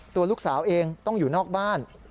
ตัวลูกสาวเองต้องอยู่นอกบ้าน